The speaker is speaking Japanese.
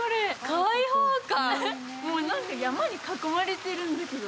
開放感、もうなんか山に囲まれてるんですよ。